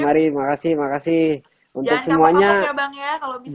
mari mari terima kasih terima kasih